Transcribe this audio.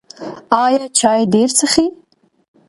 ایا چای ډیر څښئ؟